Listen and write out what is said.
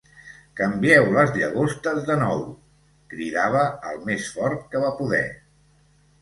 "Canvieu les llagostes de nou!", cridava el més fort que va poder.